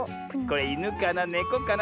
いぬかなねこかな。